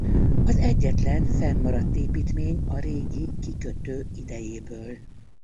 Az egyetlen fennmaradt építmény a régi kikötő idejéből.